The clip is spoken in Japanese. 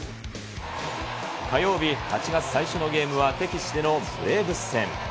火曜日、８月最初のゲームは敵地でのブレーブス戦。